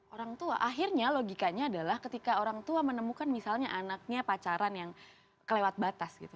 orang tua akhirnya logikanya adalah ketika orang tua menemukan misalnya anaknya pacaran yang kelewat batas gitu